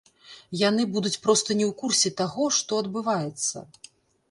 Яны будуць проста не ў курсе таго, што адбываецца.